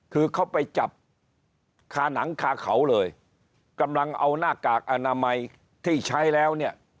คือเขาไปจับคาหนังคาเขาเลยกำลังเอาหน้ากากอนามัยที่ใช้แล้วเนี่ย